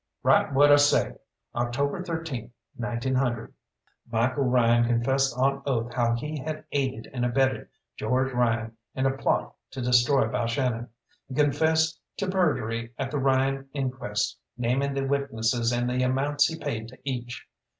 "Write what I say, 'October 13th, 1900.'" Michael Ryan confessed on oath how he had aided and abetted George Ryan in a plot to destroy Balshannon. He confessed to perjury at the Ryan inquest, naming the witnesses and the amounts he paid to each.